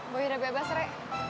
boy udah bebas re